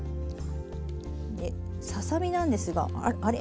でささ身なんですがあれ？